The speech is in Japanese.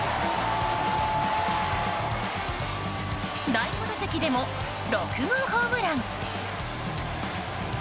第５打席でも６号ホームラン。